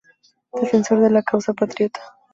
Defensor de la causa Patriota.